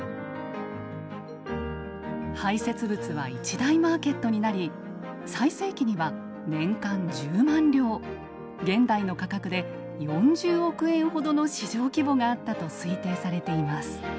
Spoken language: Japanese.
排せつ物は一大マーケットになり最盛期には年間１０万両現代の価格で４０億円ほどの市場規模があったと推定されています。